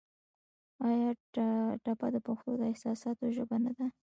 آیا ټپه د پښتو د احساساتو ژبه نه ده؟